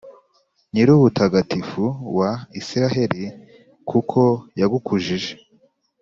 nyir’ubutagatifu wa israheli, kuko yagukujije.